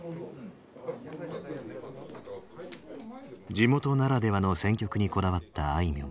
地元ならではの選曲にこだわったあいみょん。